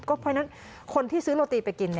เพราะฉะนั้นคนที่ซื้อโรตีไปกิน